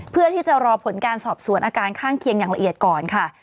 เพื่อที่จะรอผลการสอบสวนอาการข้างเคียงอย่างละเอียดก่อนค่ะ